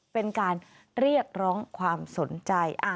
เป็นการเรียกร้องความสนใจ